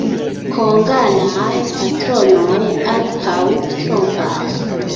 Konganaj patronoj ankaŭ trompas.